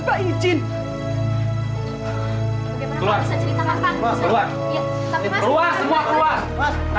tak kasihan tidak bisa dikampung sekarang keluar